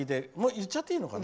言っちゃっていいのかな？